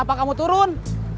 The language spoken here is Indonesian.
kenapa kamu turun